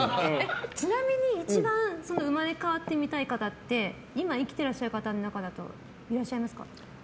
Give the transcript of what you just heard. ちなみに一番生まれ変わってみたい方って今、生きていらっしゃる方の中でいますか？